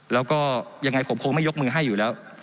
แล้วก็ยังไงผมคงไม่ยกมือให้อยู่แล้ว